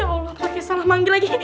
allah pakai salah manggil lagi